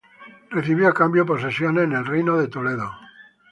Recibió a cambio posesiones en el reino de Toledo.